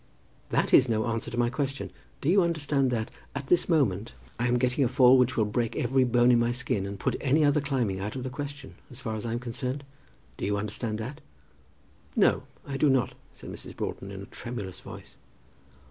"That is no answer to my question. Do you understand that at this moment I am getting a fall which will break every bone in my skin and put any other climbing out of the question as far as I am concerned? Do you understand that?" "No; I do not," said Mrs. Broughton, in a tremulous voice.